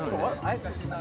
え？